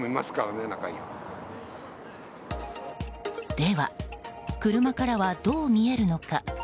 では、車からはどう見えるのか。